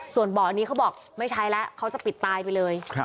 ส่วนบ่ออันนี้เขาบอกไม่ใช้แล้วเขาจะปิดตายไปเลย